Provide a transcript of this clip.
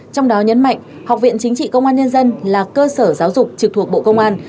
trong đó nhấn mạnh học viện chính trị công an nhân dân là cơ sở giáo dục trực thuộc bộ công an